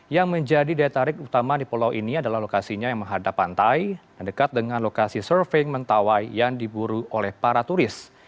yang menjadi daya tarik utama di pulau ini adalah lokasinya yang menghadap pantai dan dekat dengan lokasi surfing mentawai yang diburu oleh para turis